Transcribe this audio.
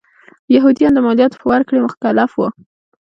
یهودیان د مالیاتو په ورکړې مکلف و.